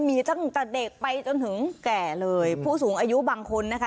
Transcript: มีตั้งแต่เด็กไปจนถึงแก่เลยผู้สูงอายุบางคนนะคะ